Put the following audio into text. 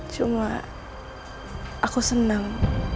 cuma aku senang